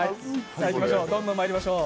どんどんまいりましょう。